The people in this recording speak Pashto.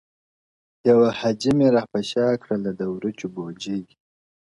یوه حاجي مي را په شا کړله د وریجو بوجۍ -